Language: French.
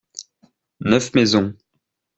Neuf maisons.